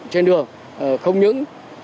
trên đường không những